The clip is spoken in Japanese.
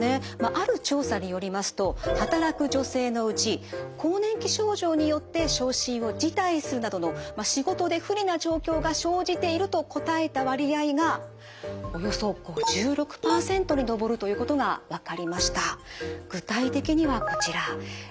ある調査によりますと働く女性のうち更年期症状によって昇進を辞退するなどの仕事で不利な状況が生じていると答えた割合がおよそ５６％に上るということが分かりました。